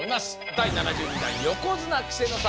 第７２代横綱稀勢の里